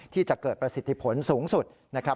ที่จะเกิดประสิทธิผลสูงสุดนะครับ